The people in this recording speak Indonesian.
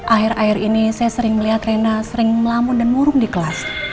akhir akhir ini saya sering melihat rena sering melamun dan murung di kelas